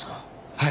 はい。